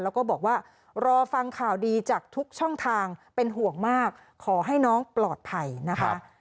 แล้วก็บอกว่ารอฟังข่าวดีจากทุกช่องทางเป็นห่วงมากขอให้น้องปลอดภัยนะคะ